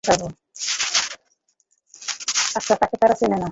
আচ্ছা, তারা তাকে চেনে না।